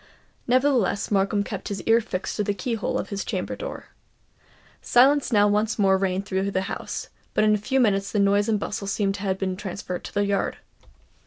Nevertheless Markham kept his ear fixed to the key hole of his chamber door. Silence now once more reigned throughout the house; but in a few minutes the noise and bustle seemed to have been transferred to the yard.